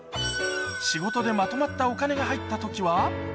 仕事でまとまったお金が入ったときは。